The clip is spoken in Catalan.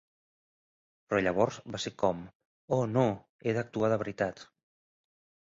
Però llavors va ser com: "Oh no, he d'actuar de veritat.